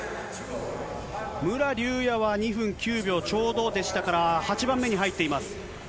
武良竜也は２分９秒ちょうどでしたから、８番目に入っています。